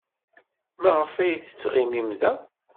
Maɣef ay tettɣimim da?